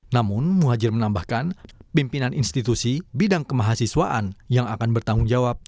namun muhajir menambahkan pimpinan institusi bidang kemahasiswaan yang akan bertanggung jawab